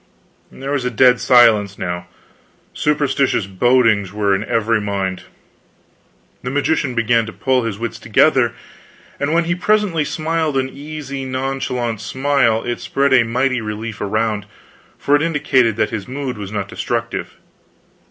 There was a dead silence now; superstitious bodings were in every mind. The magician began to pull his wits together, and when he presently smiled an easy, nonchalant smile, it spread a mighty relief around; for it indicated that his mood was not destructive.